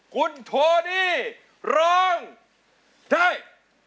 คุณโทนี่ร้องได้